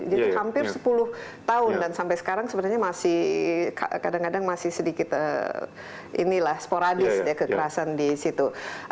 jadi hampir sepuluh tahun dan sampai sekarang sebenarnya masih kadang kadang masih sedikit ini lah sporadis ya kekerasan di situ